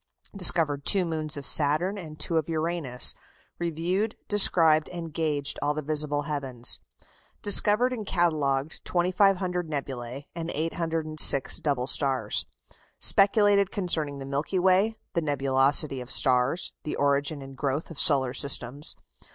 Discovered two moons of Saturn and two of Uranus. Reviewed, described, and gauged all the visible heavens. Discovered and catalogued 2,500 nebulæ and 806 double stars. Speculated concerning the Milky Way, the nebulosity of stars, the origin and growth of solar systems.